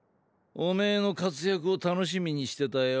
おめぇの活躍を楽しみにしてたよ。